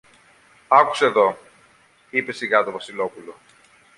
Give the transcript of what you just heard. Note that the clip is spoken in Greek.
Άκουσε δω, είπε σιγά το Βασιλόπουλο